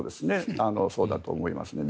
そうだと思いますね。